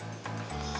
ya udah geles ini